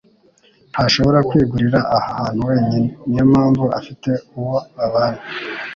ntashobora kwigurira aha hantu wenyine. Niyo mpamvu afite uwo babana.